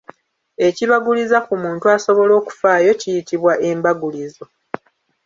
Ekibaguliza ku muntu asobole okufaayo kiyitibwa embagulizo.